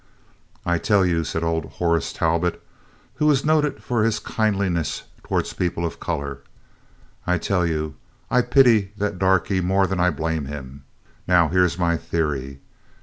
"I tell you," said old Horace Talbot, who was noted for his kindliness towards people of colour, "I tell you, I pity that darky more than I blame him. Now, here 's my theory."